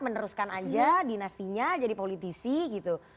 meneruskan aja dinastinya jadi politisi gitu